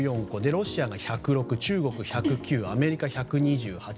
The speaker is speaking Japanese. ロシアが１０６中国、１０９アメリカ、１２８。